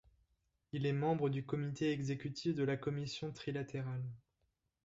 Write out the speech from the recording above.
Il est membre du comité exécutif de la Commission Trilatérale.